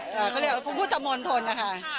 เขาเรียกคุณพุทธมนต์ทนนะคะ